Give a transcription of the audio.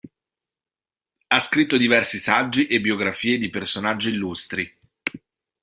Ha scritto diversi saggi e biografie di personaggi illustri.